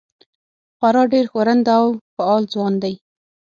خورا ډېر ښورنده او فعال ځوان دی.